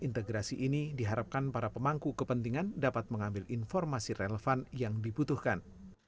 integrasi ini diharapkan para pemangku kepentingan dapat mengambil informasi relevan yang dibutuhkan